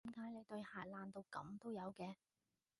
點解你對鞋爛到噉都有嘅？